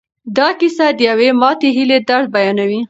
دا کیسه د یوې ماتې هیلې درد بیانوي.